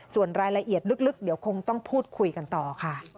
ส่วนรายละเอียดลึกเดี๋ยวคงต้องพูดคุยกันต่อค่ะ